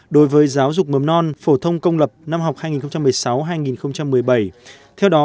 đối với giáo dục mầm non phổ thông công lập năm học hai nghìn một mươi sáu hai nghìn một mươi bảy